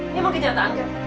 ini emang kenyataan kan